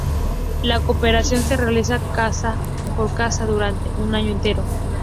La cooperación se realiza casa por casa durante un año entero.